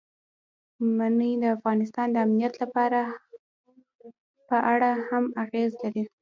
منی د افغانستان د امنیت په اړه هم اغېز لري.